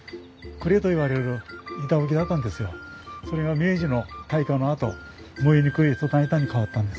それが明治の大火のあと燃えにくいトタン板に変わったんです。